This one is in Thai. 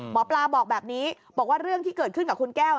หมอปลาบอกแบบนี้บอกว่าเรื่องที่เกิดขึ้นกับคุณแก้ว